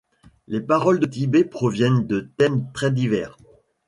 Les paroles de Tibet proviennent de thèmes très divers.